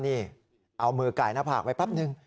นี่เอามือก่ายหน้าผากไว้ปั๊บหนึ่ง